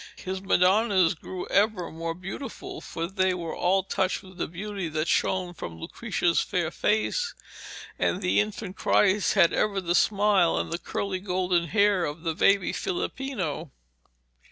His Madonnas grew ever more beautiful, for they were all touched with the beauty that shone from Lucrezia's fair face, and the Infant Christ had ever the smile and the curly golden hair of the baby Filippino.